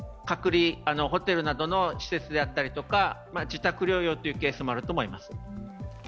隔離、ホテルなどの施設であったりとか自宅療養というケースもあると思います。